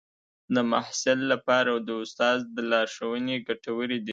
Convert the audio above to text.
د محصل لپاره د استاد لارښوونې ګټورې دي.